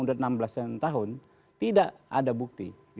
sudah enam belas tahun tidak ada bukti